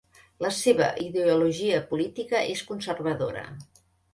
La seva ideologia política és conservadora.